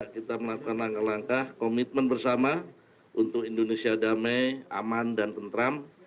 kita melakukan langkah langkah komitmen bersama untuk indonesia damai aman dan tentram